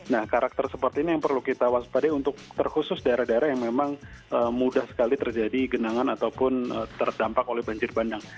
nah karakter seperti ini yang perlu kita waspadai untuk terkhusus daerah daerah yang memang mudah sekali terjadi genangan ataupun terdampak oleh banjir bandang